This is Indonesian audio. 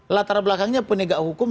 latar belakangnya penegak hukum